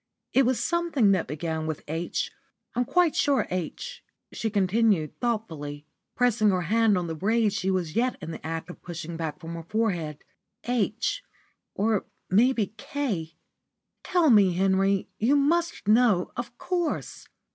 It was something that began with 'H,' I'm quite sure. 'H,'" she continued, thoughtfully, pressing her hand on the braid she was yet in the act of pushing back from her forehead. "'H,' or maybe 'K.' Tell me, Henry. You must know, of course."